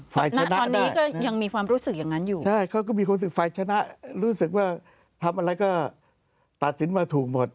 ฝ่ายชนะได้นะครับใช่คือฝ่ายชนะรู้สึกว่าทำอะไรก็ตัดสินมาถูกหมด